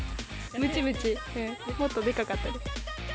むちむち、もっとでかかったです。